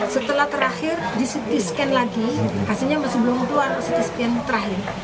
setelah terakhir disitiskan lagi hasilnya sebelum keluar disitiskan terakhir